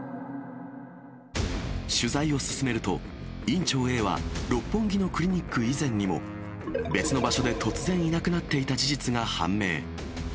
取材を進めると、院長Ａは六本木のクリニック以前にも、別の場所で突然いなくなっていた事実が判明。